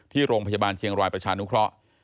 โรงพยาบาลเชียงรายประชานุเคราะห์